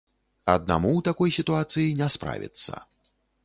Аднаму ў такой сітуацыі не справіцца.